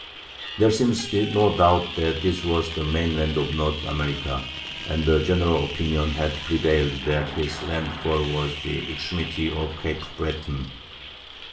There seems to be no doubt that this was the mainland of North America, and the general opinion has prevailed that his landfall was the extremity of Cape Breton.